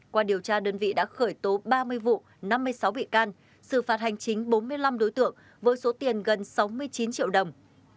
qua điều tra đơn vị đã khởi tố ba mươi vụ năm mươi sáu bị can xử phạt hành chính bốn mươi năm đối tượng với số tiền gần sáu mươi chín triệu đồng